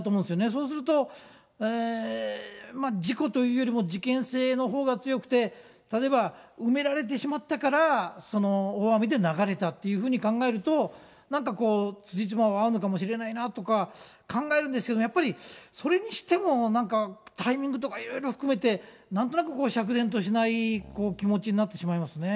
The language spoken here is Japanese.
そうすると、事故というよりも事件性のほうが強くて、例えば、埋められてしまったから大雨で流れたっていうふうに考えると、なんかつじつまは合うのかもしれないなと考えるんですけど、やっぱりそれにしてもなんかタイミングとかいろいろ含めて、なんとなく釈然としない気持ちになってしまいますね。